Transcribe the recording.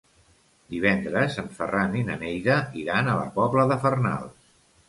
Divendres en Ferran i na Neida iran a la Pobla de Farnals.